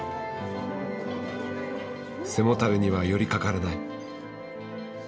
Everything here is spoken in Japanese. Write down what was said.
背もたれには寄りかからない。